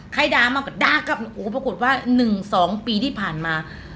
ใครด่ามาก็ด่ากับโอ้ปรากฏว่าหนึ่งสองปีที่ผ่านมา